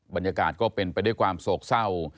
บรรยากาศก็เป็นไปด้วยความโศกเศร้า